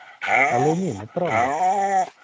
Але ні, неправда.